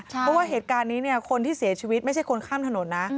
เพราะว่าเหตุการณ์นี้คนที่เสียชีวิตไม่ใช่คนข้ามถนนนะ